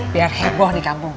biar heboh nih kampung